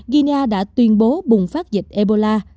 guinea đã tuyên bố bùng phát dịch ebola